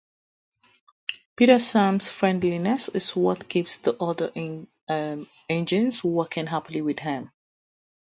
Peter Sam's friendliness is what keeps the other engines working happily with him.